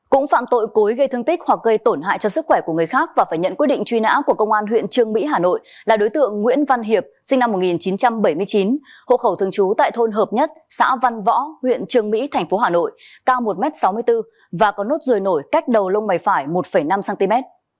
cũng phạm tội cối gây thương tích hoặc gây tổn hại cho sức khỏe của người khác và phải nhận quyết định truy nã của công an huyện trương mỹ hà nội là đối tượng nguyễn văn hiệp sinh năm một nghìn chín trăm bảy mươi chín hộ khẩu thường trú tại thôn hợp nhất xã văn võ huyện trường mỹ tp hà nội cao một m sáu mươi bốn và có nốt ruồi nổi cách đầu lông mày phải một năm cm